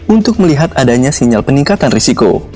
untuk melihat adanya sinyal peningkatan risiko